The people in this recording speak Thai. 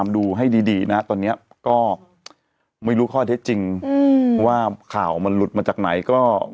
ดูให้ดีนะตอนนี้ก็ไม่รู้ข้อเท็จจริงว่าข่าวมันหลุดมาจากไหนก็